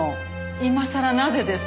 今さらなぜです？